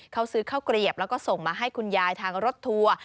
เขาซื้อข้าวเกลียบแล้วก็ส่งมาให้คุณยายทางรถทัวร์